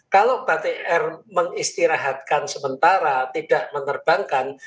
kalau batir mengistirahatkan sementara tidak menerbangkan